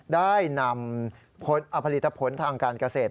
ได้นำผลผลิตผลทางการเกษตร